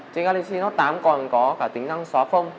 trên galaxy note tám còn có cả tính năng xóa phông